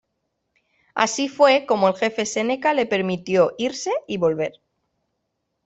Así fue como el Jefe Seneca le permitió irse y volver.